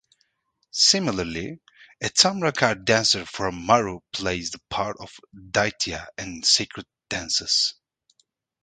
Similarly, a Tamrakar dancer from Maru plays the part of Daitya in sacred dances.